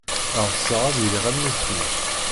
Ɣseɣ ad iliɣ am nitni.